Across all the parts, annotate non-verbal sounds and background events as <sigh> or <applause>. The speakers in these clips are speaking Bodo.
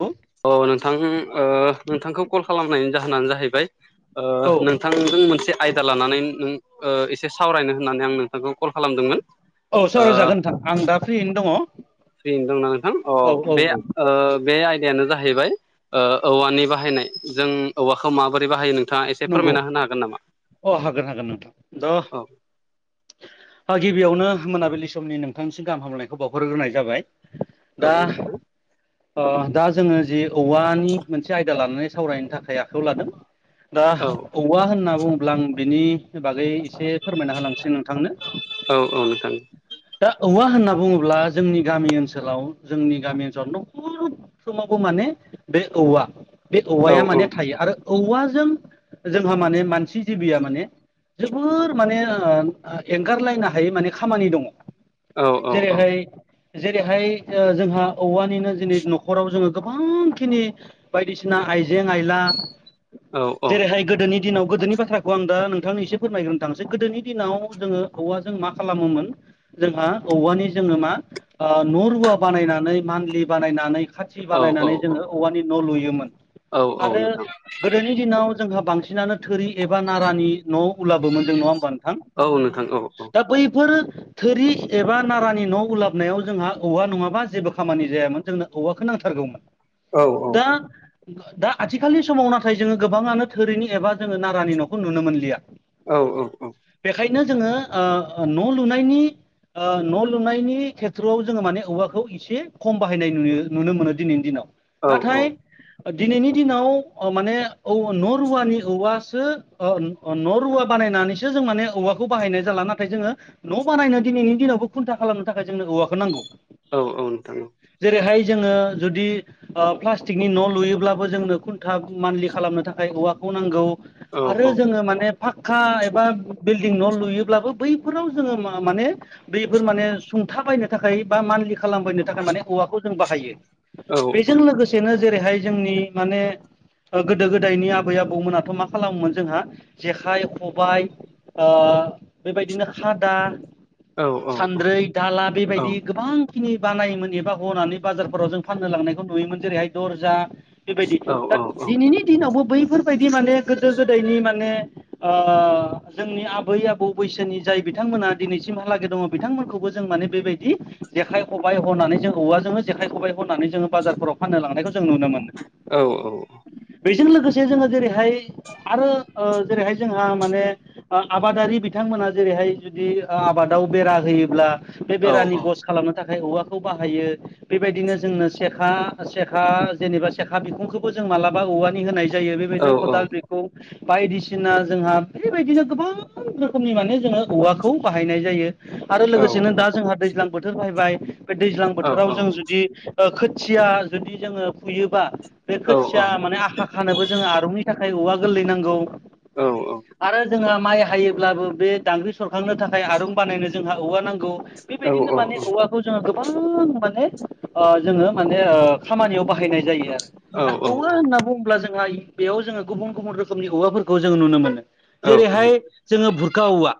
औ अ नोंथां ओ नोंथांखौ कल खालामनायनि जाहोनानो जाहैबाय औ नोंथांजों मोनसे आयदा लानानै नों एसे सावरायनो होननानै आं नोंथांखौ कल खालामदोंमोन। औ ओ सरायजागोन नोंथां। आं दा फ्रियैनो दङ। फ्रि दंना नोंथां अ औ बे औ ओ बे जाहैबाय औवानि बाहायनाय जों औवाखौ माबोरै बाहायो नों नंगौ अ हागोन हागोन नोंथां द औ गिबियावनो मोनाबिलि समनि नोंथांसिम गाहाम हामलायखौ बावहरग्रोनाय जाबाय दा औ नोंथां ओ दा जोङो जि औवानि मोनसे आयदा लानानै सावरायनो थाखाय आखायाव लादों दा औ औवा होनना बुङोब्ला आं बिनि बागै एसे फोरमायना होलांसै नोंथांनो। औ औ नोंथां दा औवा होनना बुङोब्ला जोंनि गामि ओनसोलाव जोंनि गामि ओनसोलाव न'खर फ्रोमावबो माने बे औवा बे औ औवाया माने थायो आरो औवाजों जोंहा माने मानसि जिबिया माने जोबोर माने ओ ओ एंगारलायनो हायै माने खामानि दङ। औ औ। औ जेरैहाय जेरैहाय जोंहा औवानिनो जनै न'खराव जोङो गोबां खिनि बायदिसिना आइजें आइला जेरैहाय गोदोनि दिनाव गोदोनि बाथ्राखौ आं दा नोंथांनि एसे फोरमायग्रोनो थांसै गोदोनि दिनाव जोङो औवाजों मा खालामोमोन। जोंहा औवानि जोङो मा न' रुवा बानायनानै मान्लि बानायनानै खाथि औ बानायनानै जोङो औवानि न' लुयोमोन। औ औ आरो नोंथां गोदोनि दिनाव जोंहा बांसिनानो थोरि एबा नारानि न' उलाबोमोन जों नङा होमबा हां औ नोंथां औ दा बैफोर थोरि एबा नारानि न' उलाबनायाव जोंहा औवा नङाबा जेबो खामानि जायामोन जोंनो औवाखौ नांथारगौमोन। औ दा दा आथिखालनि समाव नाथाय जोङो गोबाङानो धोरिनि एबा जोङो नारानि न'खौ नुनो मोनलिया। औ औ औ। बेखायनो ओ जोङो न' लुनायनि ओ न' लुनायनि खेथ्रआव जोङो माने औवाखौ एसे खम बाहायनाय नुयो नुनो मोनो दिनैनि दिनाव। औ नाथाय दिनैनि दिनाव माने औ न'रुवानि औवासो ओ न'रुवा बानायनानैसो जों माने औवाखौ बाहायनाय जाला नाथाय जोङो न' बानायनो दिनैनि दिनावबो खुन्था खालामनो थाखाय जोंनो औवाखौ नांगौ। औ औ नोंथां। जेरैहाय जोङो जुदि ओ प्लास्टिकनि न' लुयोब्लाबो जोंनो खुन्था मान्लि खालामनो था खाय औवाखौ नांगौ। औ औ आरो जोङो माने फाखक्का एबा बिल्डिं न' लुयोब्लाबो बैफोराव जोङो माने बेफोर माने सुंथा बायनो थाखाय बा मानलि खालामबोनो थाखाय माने औवाखौ जों बाहायो, औ बेजों लोगोसे जेरैहाय जोंनि माने गोदो गो उन्दैनि आबै आबौमोनाथ' मा खालामोमोन जोंहा जेखाइ, खबाय, ओ बेबायदिनो खादा, औ औ औ सान्द्रै, दाला बेबायदि गोबांखिनि बानायोमोन एबा हनानै बाजारफोराव जों फाननो लांनायखौ नुयोमोन। जेरैहाय दरजा बेबायदि दा दिनैनि दिनावबो बैफोर बायदि माने गोदो गोदायनि माने ओ जोंनि आबै आबौ बैसोनि जाय बिथांमोना दिनैसिमहालागै दङ बिथांमोनखौबो जों माने बेबायदि जेखाइ खबाय हनानै जों औवाजोंनो जेखाइ खबाय हनानै जोङो बाजारफोराव फाननो लांनायखौ जों नुनो मोनो। औ औ औ। बेजों लोगोसे जोङो जेरैहाय आरो जेरैहाय जोंहा माने आबादारि बिथांमोना जेरैहाय जुदि आबादाव बेरा होयोब्ला, बे बेरानि गस खालामनो थाखाय औवाखौ बाहायो, बेबायदिनो जोंनो सेखा, सेखा जेनेबा सेखा बिखुंखौबो जों मालाबा औवानि होनाय जायो। बेबायदिनो खदाल बेखुं बायदिसिना जोंहा बेबायदिनो गोबां रोखोमनि माने जोङो औवाखौ बाहायनाय जायो। आरो लोगोसेनो दा जोंहा दैज्लां बोथोर फायबाय, बे दैज्लां बोथोराव जों खोथिया जुदि जोङो फुयोबा, बे खोथि माने आखा खानोबो जोङो आरुंनि थाखाय औवा गोरलै नांगौ। आरो जोंहा माइ हायोब्लाबो बे दांग्रि सरखांनो थाखाय आरं बानायनो जोंहा औवा नांगौ‌। बेबायदिनो माने औवाखौ जोङो गोबां माने ओ जोङो माने ओ खामानियाव बाहायनाय जायो आरो। दा औवा होनना बुङोब्ला जोंहा बेयाव जोङो गुबुन गुबुन रोखोमनि औवाफोरखौ जोङो नुनो मोनो। जेरैहाय जोङो भुरखा औवा,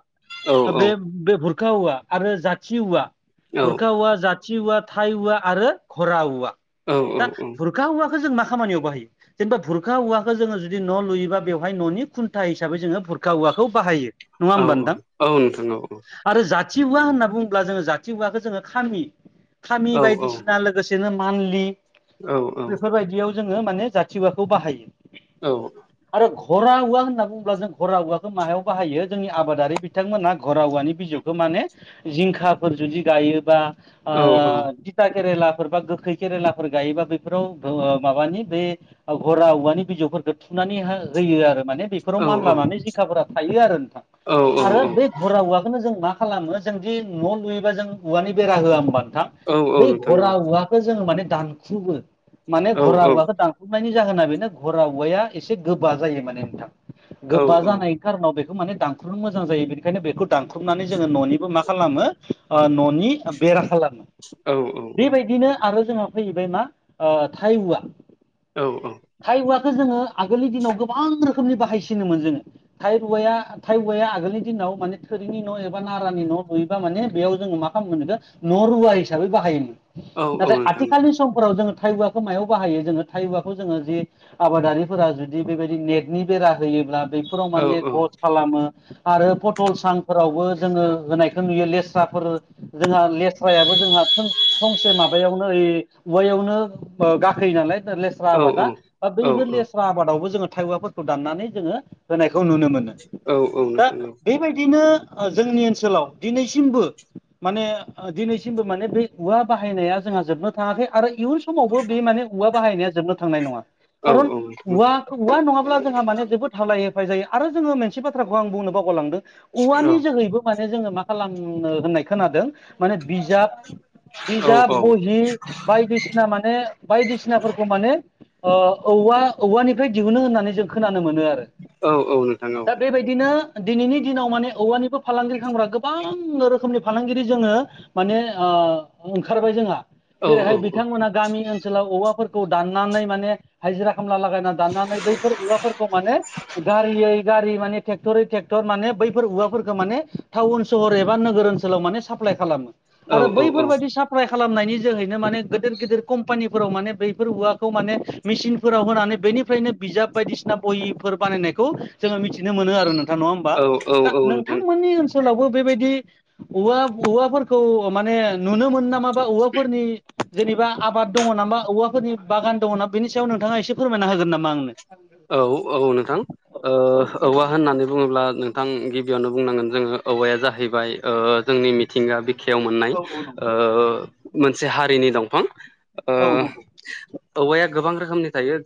बे बे भुर फुरखा औवा आरो जाथि औवा फुरखा औवा जाथि शथि औवा थाइ औवा आरो घरा औवा। औ दा औ हुरखा औवाखौ जों मा खामानियाव बाहायो? जेनेबा बुरखा औवाखौ जोङो जुदि न' लुयोबा बेवहाय न'नि खुन्था हिसाबै जोङो बुरखा औवाखौ बाहायो। नङा औ होमबा औ नोंथां औ नोंथां औ औ। आरो जाथि हुवा होनना बुङोब्ला। जोङो जाथि हुवाखौ जोङो खामि खामि औ बायदिसिना लोगो लोगोसेनो मानलि बेफोरबायदियाव जोङो माने जाथिवाखौ बाहायो। औ। आरो घरा औवा होनना बुङोब्ला। जों घरा औवाखौ माहायाव बाहायो? जोंनि आबादारि बिथांमोना घरा औवानि बिजौ माने जिंखाफोर जुदि गायोबा औ थिथा केरेलाफोर बा गोखै केरेलाफोर गायोबा बेफोराव माबानि बे घरा औवानि बिजौफोरखौ थुनानै होयो आरो माने बेफोराव मानलानानै जिखाफोरा थायो आरो नोंथां औ आरो बे घरा औवाखौनो जों मा खालामो। जोंदि न' लुयोबा जों औवानि बेरा होआ होमबानोथां? औ बै नोंथां घरा औवाखौ जोङो माने दानखुबो। माने घरा औवाखौ दानखु नायनि जाहोना बेनो घरा औवाया एसे गोबा जायो। माने नोंथां गोबा जानाय खारोनाव बेखौ माने दानख्रुमनो मोजां जायो। बेनिखायनो बेखौ दानख्रुबनानै जोङो न'निबो मा खालामो न'नि बेरा खालामो। बेबायदिनो आरो जोंहा फैबाय मा थाइ औवा औ औ। थाइ औवाखौ जोङो आगोलनि दिनाव गोबां रोखोमनि बाहायसिनोमोन जोङो। थाइ औवाया थाइऔवा आगोलनि दिनाव माने थोरिनि न' एबा नारानि न' लुयोबा माने बेयाव जोङो मा खालामगोन बेखौ न'रुवा हिसाबै बाहायोमोन। नाथाय औ आथिखालनि समफोराव जोङो थाइऔवा मायाव बाहायो जोङो थाइ औवाखौ जोङो जि आबादारिफोरा जुदि बेबायदि नेटनि बेरा होयोब्ला बेफोराव माने गस औ खालामो। आरो पटल सांफोरावबो जोङो होनायखौ नुयो। लेस्राफोर जोंहा लेस्रायाबो जोंहा फंसे माबायावनो ओइ औवायावनो गाखोयो नालाय लेस्रा आबादा बैफोर औ लेस्रा आबादावबो जोङो थाइऔवाफोरखौ दाननानै जोङो होनायखौ नुनो मोनो। औ औ दा नोंथां औ बेबायदिनो जोंनि ओनसोलाव दिनैसिमबो माने दिनैसिमबो माने बे औवा बाहायनाया जोंहा जोबनो थाङाखै आरो इयुन समाव बे माने औवा बाहायनाया जोबनो थांनाय नङा। औ खारन औवा नोंथां औवा नङाब्ला जोंहा माने जोबोद हालाय हाफाय जायो आरो जोङो मोनसे बाथ्राखौ आं बुंनो बावगलांदों। औ औवानि जोहैबो माने जोङो मा खालामनो होननाय खोनादों। माने बिजाब बिजाब औ औ बहि बायदिसिना माने बायदिसिनाफोरखौ माने औवा औवानिफ्राय दिहुनो होननानै जों खोनानो मोनो आरो औ औ नोंथां दा बेबायदिनो दिनैनि दिनाव माने औवानिबो फालांगिरि खालामग्रा गोबां रोखोमनि फालांगिरि जोङो माने ओंखारबाय जोंहा। औ औ औ जेरैहाय बिथांमोना गामि ओनसोलाव औवाफोरखौ दाननानै माने हाजिरा खामला लागायनानै दाननानै बैफोर औवाफोरखौ माने गारियै गारि माने टेक्टरै टेक्टर माने बैफोर औवाफोरखौ माने टाउन सहर एबा नोगोर ओनसोलाव माने साप्लाइ खालामो औ आरो बैफोरबायदि साप्लाइ खालामनायनि जोहैनो माने गोदोर गोदोर कम पानिफोराव माने बैफोर औवाखौ माने मेसिनफोराव होनानै बेनिफ्रायनो बिजाब बायदिसिना बहिफोर बानायनाय खौ जोङो मिथिनो मोनो आरो नोंथां नङा होमबा औ औ दा औ नोंथां नोंथांमोननि ओनसोलावबो बेबायदि औवा औवाफोरखौ माने नुनो मोनो नामाबा औवाफोरनि जेनेबा आबाद दङ नामा औवाफोरनि बागान दङ ना बेनि सायाव नोंथाङा एसे फोरमायना होगोन नामा आंनो? औ औ नोंथां। औ औवा होननानै बुङोब्ला नोंथां। गिबियावनो बुंनांगोन जोङो औवाया जाहैबाय जोंनि मिथिंगा बिखायाव मोननाय औ नंगौ मोनसे हारिनि दंफां। ओ औ नंगौ। औवाया गोबां रोखोमनि थायो।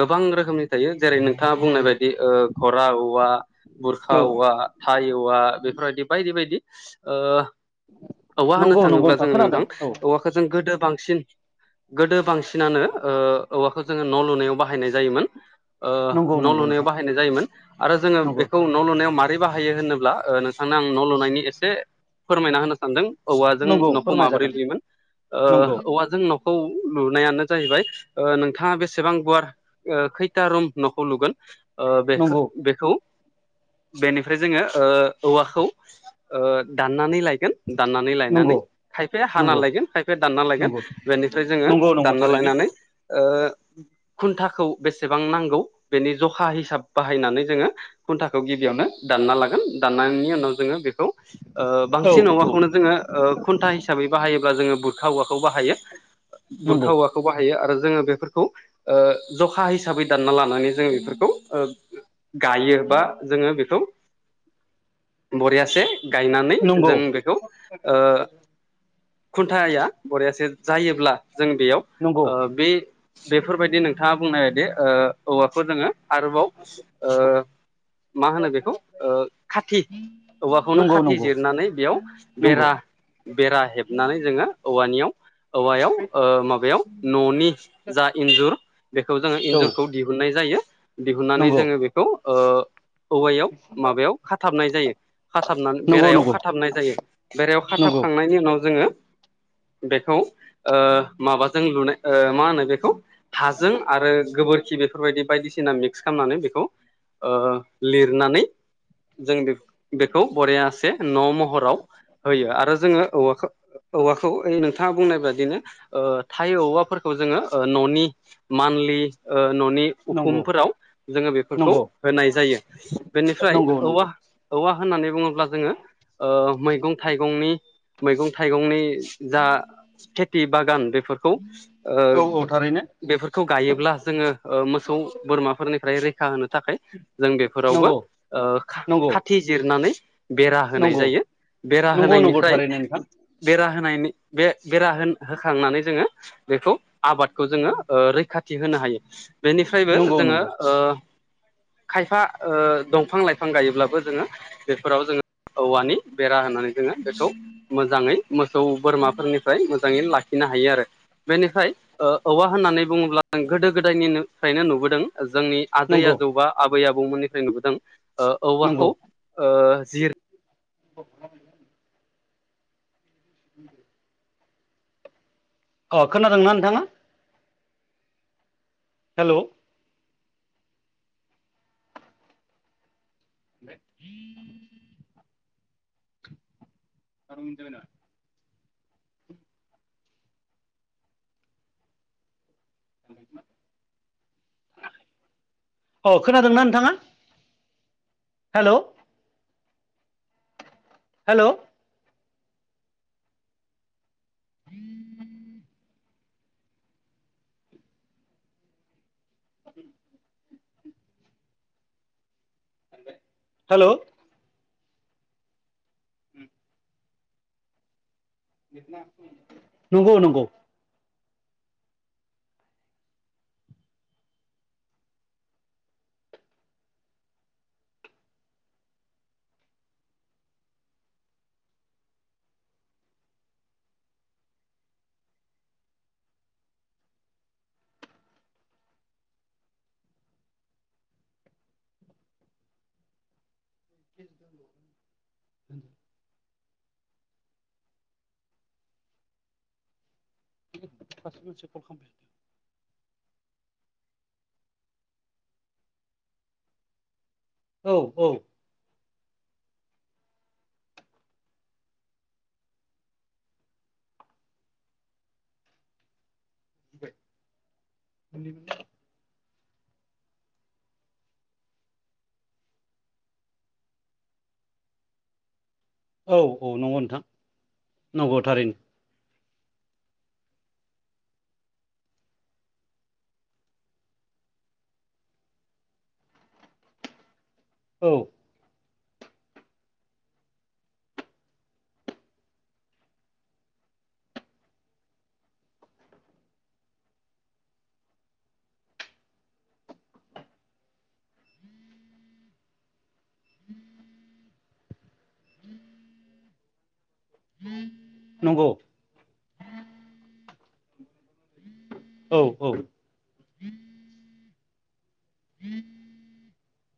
गोबां रोखोमनि थायो जेरै नोंथाङा बुंनाय बायदि बे घरा औवा बुरखा औ औवा थाय औवा बेफोरबायदि बायदि बायदि औवा होननो नंगौ नंगौ थाङोब्ला जोङो खोनादों नोंथां औ औवाखो जों गोदो बांसिन गोदो बांसिनानो ओ औवाखौ जोङो न' लुनायाव बाहायनाय जायोमोन ओ नंगौ न' नंगौ लुनायाव नोंथां बाहायनाय जायोमोन आरो जोङो नंगौ बेखौ न' लुनायाव मारै बाहायो होनोब्ला ओ नोंथांनो आं न' लुनायनि एसे फोरमायना होनो सानदों औवाजों नंगौ न'खौ माबोरै फोरमायजागोन लुयोमोन ओ नंगौ औवाजों न'खौ खौ लुनायानो जाहैबाय ओ नोंथाङा बेसेबां गुवार ओ खै ता रुम न'खौ लुगोन ओ बेखो नंगौ बेखौ बेनिफ्राय जोङो ओ औवाखौ ओ दाननानै लायगोन दाननानै लायनानै नंगौ खायफाया हाना नंगौ लायगोन खायफाया दानना लायगोन नंगौ बेनिफ्राय जोङो नंगौ नंगौ दानना थारैनो लायनानै औ खुन्थाखौ बेसेबां नांगौ बेनि जखा हिसाब बाहायनानै जोङो खुन्थाखौ गिबियावनो दानना लागोन दाननायनि उनाव जोङो बेखौ ओ औ बांसिन औ औवाखौनो जोङो खुन्था हिसाबै बाहायोबा जोङो बुरखा औवाखौ बाहायो नंगौ बुरखा औवाखौ बाहायो आरो जोङो बेफोरखौ जखा हिसाबै दानना ला लानानै जोङो बेफोरखौ ओ गायो बा जोङो बेखौ बरियासे गायनानै नंगौ जों बेखौ ओ खुन्थाया बरियासे जायोब्ला जों बेयाव नंगौ ओ जे बेफोरबायदि नोंथाङा बुंनायबायदि ओ औवाफोर दोङो आरोबाव मा होनो बेखौ ओ खाथि औवाखौनो खाथि नंगौ जिरनानै बेयाव नंगौ बेरा बेरा हेबनानै जोङो औवानियाव औवायाव औ माबायाव न'नि जा इन्जुर बेखौ जोङो औ इन्जुर दिहुननाय जायो दिुननानै नंगौ जोङो बेखौ ओ औवायाव माबायाव खाथाबनाय जायो खाथाबनानै नंगौ नंगौ बेरायाव खाथाबनाय जायो बेरायाव नंगौ खाथाबखांनायनि उनाव जोङो बेखौ ओ माबाजों लुनाय ओ मा होनो बेखौ हाजों आरो गोबोर बेफोरबायदि बायदिसिना मिक्स खालामनानै बेखौ ओ लिरनानै जों बेखौ बरयासे न' महराव होयो आरो जोङो औवाखौ औवाखौ ओइ नोंथाङा बुंनाय बादिनो ओ थाय औवाफोरखौ जोङो न'नि मानलि ओ न'नि नंगौ उखुमफोराव जोङो बेफोरखौ नंगौ होनाय जायो बेनिफ्राय नंगौ औवा नंगौ औवा होननानै बुङोब्ला जोङो ओ मैगं थाइगंनि मैगं थाइगंनि जा खेथि बागान बेफोरखौ ओ औ औ थारैनो बेफोरखौ गायोब्ला जोङो ओ मोसौ बोरमाफोरनिफ्राय रैखा होनो थाखाय जों बेफोरावबो नंगौ ओ नंगौ खाथि जिरनानै बेरा होनाय नंगौ जायो बेरा नंगौ नंगौ होनायनिफ्राय थारैनो नोंथां बेरा होनायनि बे बेरा होन होखांनानै जोङो बेखौ आबादखौ जोङो ओ रैखाथि होनो हायो बेनिफ्रायबो नंगौ जोङो नंगौ ओ खायफा ओ दंफां लाइफां गायोब्लाबो जोङो बेफोराव जोङो औवानि बेरा होनानै जोङो बेखौ मोजाङै मोसौ बोरमाफोरनि फ्राय मोजाङै लाखिनो हायो आरो बेनिफ्राय औवा होननानै बुङोब्ला गोदो गोदायनिफ्रायनो नुबोदों जोंनि आजै नंगौ आजौ बा आबै आबौमोननिफ्राय नुबोदों ओ नंगौ औवाखौ ओ जिर उ अ खोनादोंना नोंथाङा हेलौ न सात मिनित जाबाय नामा? अ खोनादोंना नोंथाङा? हेलौ हेलौ हेलौ नंगौ नंगौ सासे मानसिया कल खालामबाय थादो औ औ <inaudible> औ औ नंगौ नोंथां नंगौ थारैनो औ उ नंगौ औ औ उम